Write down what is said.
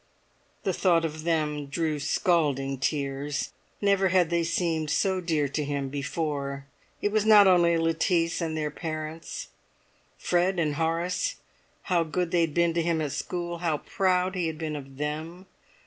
The thought of them drew scalding tears. Never had they seemed so dear to him before. It was not only Lettice and their parents. Fred and Horace, how good they had been to him at school, and how proud he had been of them!